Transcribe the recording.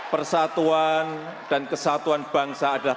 persatuan dan kesatuan bangsa adalah